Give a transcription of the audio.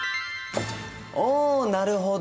おなるほど！